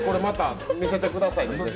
また見せてくださいね。